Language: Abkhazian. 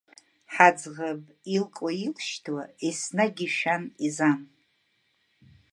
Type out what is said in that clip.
Ҳаӡӷаб илкуа-илшьҭуа еснагь ишәан-изан.